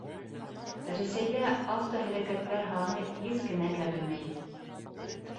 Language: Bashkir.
Рәсәйҙә автоһәләкәттәр һаны һис кенә кәмемәй